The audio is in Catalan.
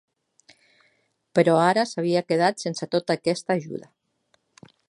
Però ara s'havia quedat sense tota aquesta ajuda.